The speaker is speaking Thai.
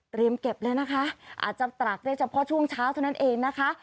เตรียมเก็บเลยนะคะอาจจะตรักเนี่ยเฉพาะช่วงเช้าเท่านั้นเองนะคะ